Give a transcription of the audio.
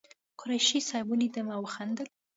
قریشي صاحب ولیدم او وخندل.